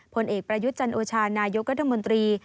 ผลเอกประยุทธ์จันทร์อูชานายกระทำบนตรี